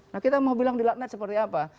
nah kita mau bilang di lagnet seperti apa